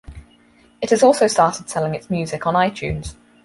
It has also started selling its music on iTunes.